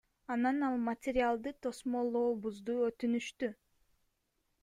Анан ал материалды тосмолообузду өтүнүштү.